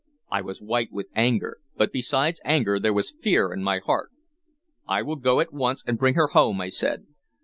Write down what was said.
I was white with anger; but besides anger there was fear in my heart. "I will go at once and bring her home," I said.